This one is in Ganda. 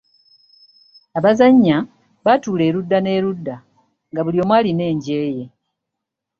Abazannya batuula erudda n'erudda nga buli omu alina enje ye.